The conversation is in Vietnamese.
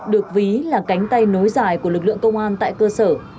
được ví là cánh tay nối dài của lực lượng công an tại cơ sở